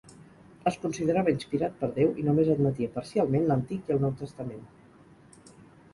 Es considerava inspirat per Déu i només admetia parcialment l'Antic i el Nou testament.